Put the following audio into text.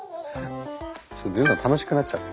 ちょっと塗るの楽しくなっちゃった。